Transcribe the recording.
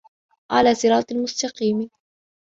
عَلى صِراطٍ مُستَقيمٍ